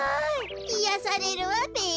いやされるわべ。